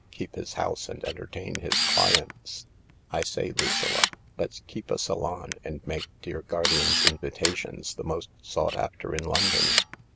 Keep his house and entertain his clients. I say, Lucilla, let's keep a salon, and make dear Guardian's invitations the most sought after in London."